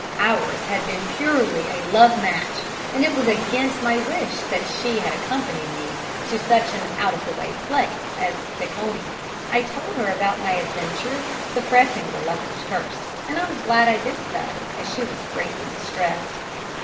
Ours had been purely a love match, and it was against my wish that she had accompanied me to such an out of the way place as Seconee. I told her about my adventure, suppressing the leper's curse; and I was glad I did so, as she was greatly distressed.